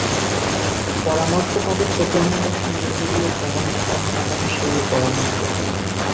পরামর্শ পাবেন চোখের মণির সঙ্গে মিলিয়ে কেমন মেকআপ মানাবে সেই পরামর্শও।